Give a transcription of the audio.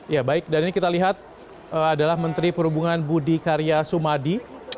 ya baik dan ini kita lihat adalah menteri perhubungan budi karya sumadi